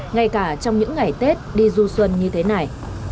ngay cả trong những ngày tết đi du xuân như thế này